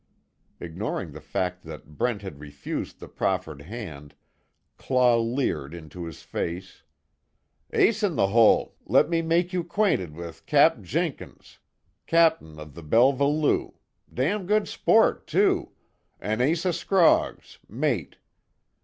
Ignoring the fact that Brent had refused the proffered hand, Claw leered into his face: "Ace In The Hole let me make you 'quainted with Cap Jinkins, Cap'n of the Belva Lou damn good sport, too an' Asa Scroggs, mate.